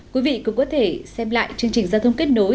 quý vị cũng có thể xem lại chương trình giao thông kết nối